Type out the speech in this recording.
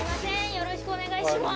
よろしくお願いします